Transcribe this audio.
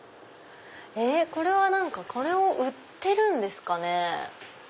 えっこれを売ってるんですかね。